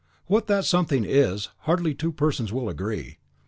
What that something is, hardly two persons will agree.